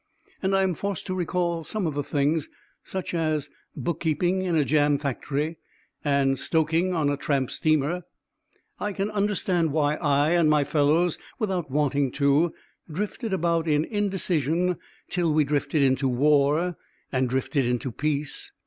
And I am forced to recall some of the things such as bookkeeping in a jam factory and stoking on a tramp steamer I can understand why I and my fellows, without wanting to, drifted about in indecision till we drifted into war and drifted into peace.